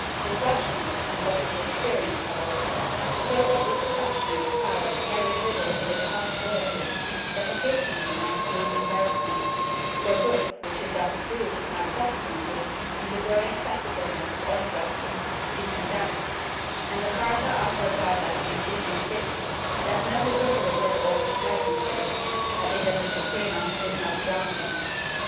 ^ Reflection, and possibly experience, however, showed that this assumption of power carried with it a responsi bility that occasionally might prove embarrassing, for books which it thus approved might subsequently, in the growing sensitiveness of orthodoxy, be condemned, and a carta acordada of 1550 defi nitely prohibited all such licences, adding that the Suprema did not grant them.